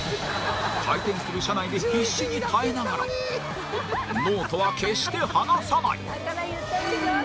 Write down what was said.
回転する車内で必死に耐えながらノートは決して離さない。